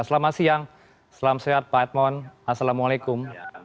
selamat siang selamat siang pak edmond assalamualaikum